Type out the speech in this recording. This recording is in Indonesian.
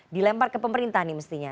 dilempar ke pemerintah nih mestinya